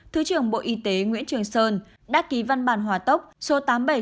thứ trưởng bộ y tế nguyễn trường sơn đã ký văn bản hòa tốc số tám nghìn bảy trăm chín mươi tám